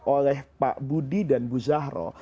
oleh pak budi dan ibu zahra